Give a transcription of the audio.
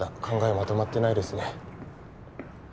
まとまってないですね